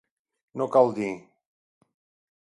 No cal dir.